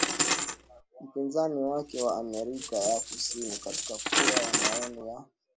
Mpinzani wake wa Amerika ya Kusini katika kura ya maoni ya